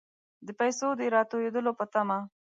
د پیسو راتوېدلو په طمع.